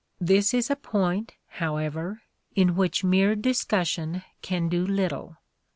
This is a point, however, in which mere discussion can do little.